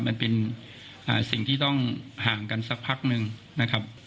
มันเป็นสิ่งที่ต้องห่างกันสักพักนึงนะครับ